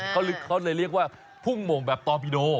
เขาเลยเรียกว่าพุ่งหม่งแบบตอบิโด